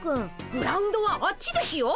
グラウンドはあっちですよ。